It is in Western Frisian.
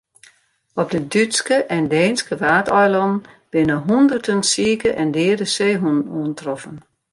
Op de Dútske en Deenske Waadeilannen binne hûnderten sike en deade seehûnen oantroffen.